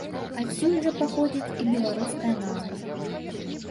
Адсюль жа паходзіць і беларуская назва.